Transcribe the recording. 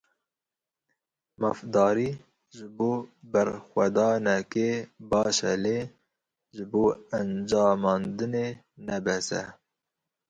Mafdarî ji bo berxwedanekê baş e lê ji bo encamandinê ne bes e.